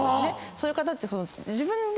そういう方って自分で。